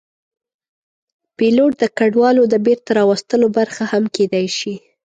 پیلوټ د کډوالو د بېرته راوستلو برخه هم کېدی شي.